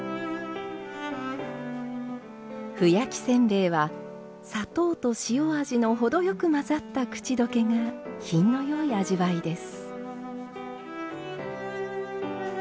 ふ焼き煎餅は砂糖と塩味の程よく混ざった口溶けが品のよい味わいです。